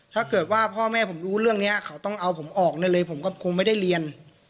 ถ้าเกิดว่าพ่อแม่ผมรู้เรื่องนี้เขาต้องเอาผมออกได้เลยผมก็คงไม่ได้เรียน